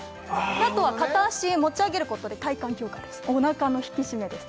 あとは片足持ち上げることで体幹強化です